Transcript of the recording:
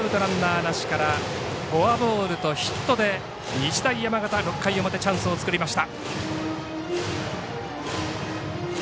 フォアボールとヒットで日大山形６回表、チャンスを作りました。